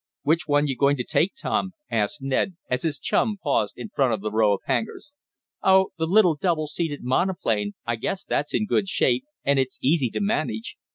"Which one you going to take, Tom?" asked Ned, as his chum paused in front of the row of hangars. "Oh, the little double seated monoplane, I guess that's in good shape, and it's easy to manage.